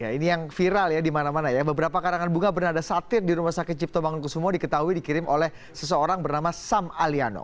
ini yang viral ya di mana mana ya beberapa karangan bunga bernada satir di rumah sakit cipto bangun kusumo diketahui dikirim oleh seseorang bernama sam aliano